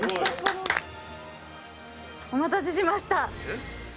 「お待たせしました」